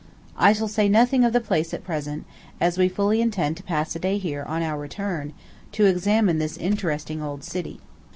I shall say nothing of the place, at present, as we fully intend to pass a day here, on our return, to examine this interesting old city.